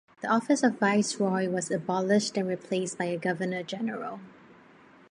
The office of Viceroy was abolished and replaced by a Governor-General.